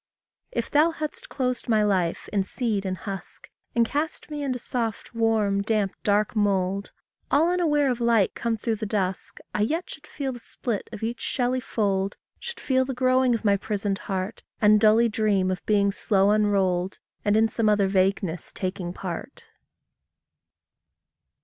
If thou hadst closed my life in seed and husk, And cast me into soft, warm, damp, dark mould, All unaware of light come through the dusk, I yet should feel the split of each shelly fold, Should feel the growing of my prisoned heart, And dully dream of being slow unrolled, And in some other vagueness taking part.